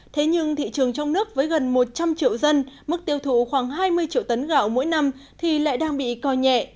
thế nhưng thị trường trong nước với gần một trăm linh triệu dân mức tiêu thụ khoảng hai mươi triệu tấn gạo mỗi năm thì lại đang bị co nhẹ